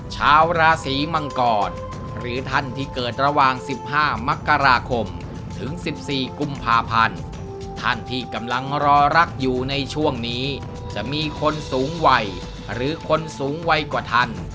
ชาวราศีมังกรหรือท่านที่เกิดระหว่าง๑๕มกราคมถึง๑๔กุมภาพันธ์ท่านที่กำลังรอรักอยู่ในช่วงนี้จะมีคนสูงวัยหรือคนสูงวัยกว่าท่าน